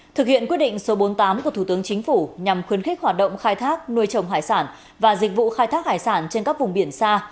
thực hiện quyết định số bốn mươi tám của thủ tướng chính phủ nhằm khuyến khích hoạt động khai thác nuôi trồng hải sản và dịch vụ khai thác hải sản trên các vùng biển xa